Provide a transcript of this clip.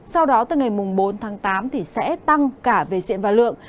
sau đó từ ngày bốn tháng tám sẽ tăng cả về diện và lượng